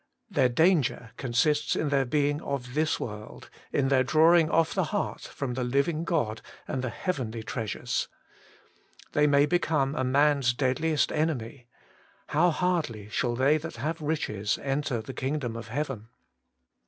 Their danger consists in their being of this world, in their drawing off the heart from the liv ing God and the heavenly treasures. They may become a man's deadliest enemy : How 95 96 Working for God hardly shall they that have riches enter the kmgdom of heaven!